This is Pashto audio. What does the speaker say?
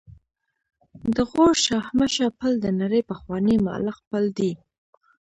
د غور شاهمشه پل د نړۍ پخوانی معلق پل دی